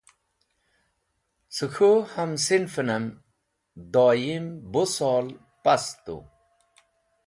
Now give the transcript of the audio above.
Cẽ k̃hũ ham sinfenem doyim bu sol past tu.